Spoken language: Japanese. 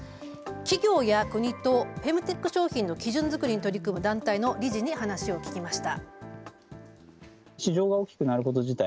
企業や国とフェムテック商品の基準づくりに取り組む団体の理事に話を聞きました。